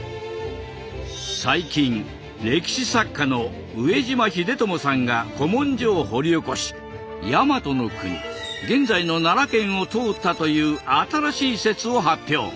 最近歴史作家の上島秀友さんが古文書を掘り起こし大和の国現在の奈良県を通ったという新しい説を発表。